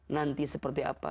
nanti seperti apa